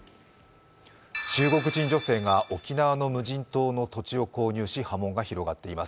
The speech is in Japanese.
中国人女性が沖縄の無人島の土地を購入し波紋が広がっています。